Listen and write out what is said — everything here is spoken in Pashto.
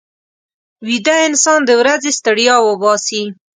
ویده انسان د ورځې ستړیا وباسي